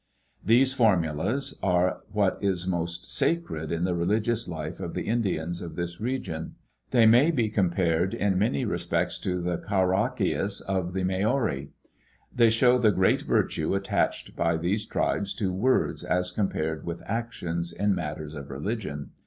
These formulas are what is most sacred in the religious life of the Indians of this region. They may be com pared in many respects to the karakias of the Maori. They show the great virtue attached by these tribes to words as compared with actions in matters of religion.